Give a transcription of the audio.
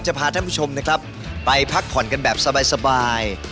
จะพาท่านผู้ชมไปพักผ่อนกันแบบสบาย